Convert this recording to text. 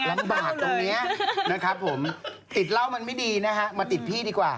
ลำบากตรงนี้นะครับผมติดเหล้ามันไม่ดีนะฮะมาติดพี่ดีกว่า